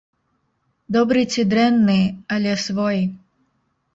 Добры ці дрэнны, але свой.